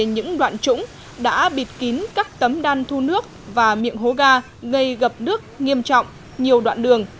những đoạn trũng đã bịt kín các tấm đan thu nước và miệng hố ga gây gập nước nghiêm trọng nhiều đoạn đường